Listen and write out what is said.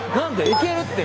いけるって！